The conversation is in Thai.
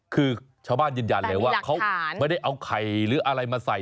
คือชาวบ้านยืนยันเลยว่าเขาไม่ได้เอาไข่หรืออะไรมาใส่